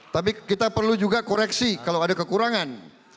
tapi kita perlu juga koreksi kalau ada kekurangan